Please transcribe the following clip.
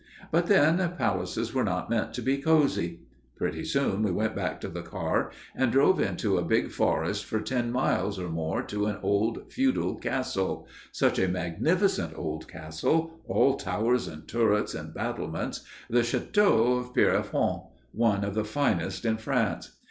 But then palaces were not meant to be cozy. Pretty soon we went back to the car and drove into a big forest for ten miles or more to an old feudal castle, such a magnificent old castle, all towers and turrets and battlements, the château of Pierrefonds, one of the finest in France.